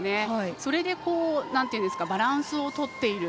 それで、バランスをとっている。